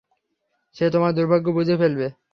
সে তোমার দুর্ভাগ্য বুঝে ফেলবে।